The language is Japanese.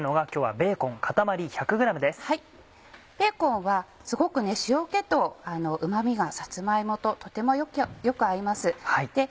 ベーコンはすごく塩気とうま味がさつま芋ととてもよく合います。